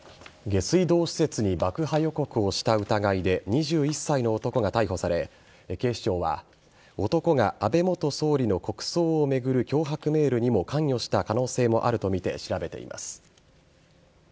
下水道施設に爆破予告をした疑いで２１歳の男が逮捕され警視庁は男が安倍元総理の国葬を巡る脅迫メールにも関与した可能性もあるとみて調べています。